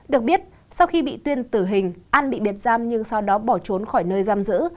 được biết sau khi bị tuyên tử hình an bị biệt giam nhưng sau đó bỏ trốn khỏi nơi giam giữ